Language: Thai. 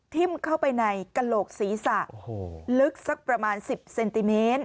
ทิ้มเข้าไปในกระโหลกศีรษะลึกสักประมาณ๑๐เซนติเมตร